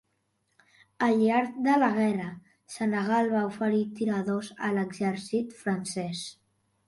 Al llarg de la guerra, Senegal va oferir tiradors a l'exèrcit francès.